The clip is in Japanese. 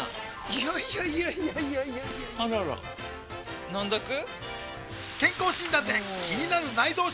いやいやいやいやあらら飲んどく？